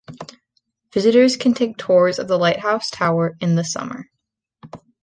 Visitors can take tours of the lighthouse tower in the summer.